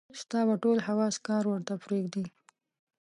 ستا به ټول حواص کار ورته پرېږدي.